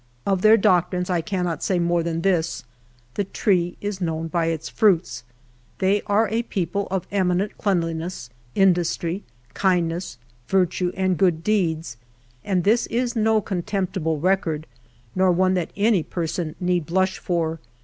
Of their doctrines I can not say more than this :" The tree is known by its fruits/" They are a people of eminent cleanliness, industry, kind ness, virtue, and good deeds, and this is no contemptible record, nor one that any person need blush for.